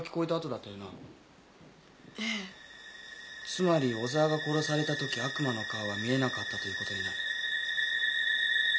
つまり小沢が殺された時悪魔の顔は見えなかったということになる。